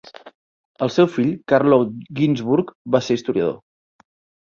El seu fill, Carlo Ginzburg, va ser historiador.